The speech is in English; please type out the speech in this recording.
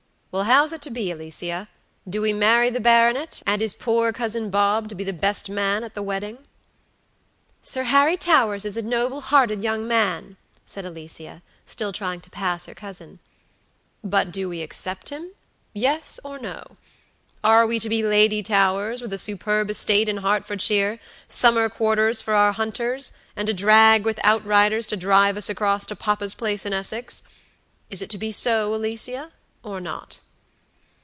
Well, how's it to be, Alicia? Do we marry the baronet, and is poor Cousin Bob to be the best man at the wedding?" "Sir Harry Towers is a noble hearted young man," said Alicia, still trying to pass her cousin. "But do we accept himyes or no? Are we to be Lady Towers, with a superb estate in Hertfordshire, summer quarters for our hunters, and a drag with outriders to drive us across to papa's place in Essex? Is it to be so, Alicia, or not?"